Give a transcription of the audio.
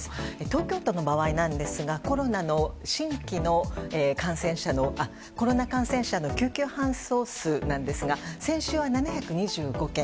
東京都の場合ですがコロナ感染者の救急搬送数なんですが先週は７２５件。